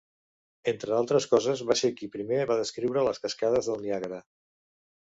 Entre altres coses va ser qui primer va descriure les Cascades del Niàgara.